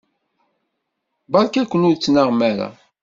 Beṛka-ken ur ttnaɣem ara.